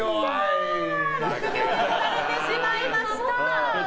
６秒で取られてしまいました。